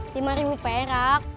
lima ribu perak